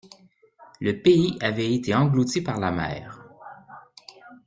Le pays avait été englouti par la mer.